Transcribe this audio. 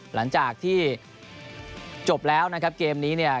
หลังจากที่จบแล้วนะครับเกมนี้เนี่ย